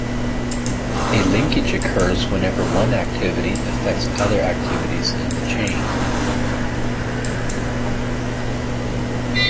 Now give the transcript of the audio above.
A linkage occurs whenever one activity affects other activities in the chain.